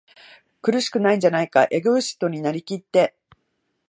苦しくないんじゃないか？エゴイストになりきって、